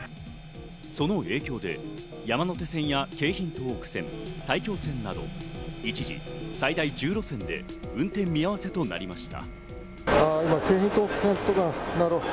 その影響で山手線や京浜東北線、埼京線など一時、最大１０路線で運転見合わせとなりました。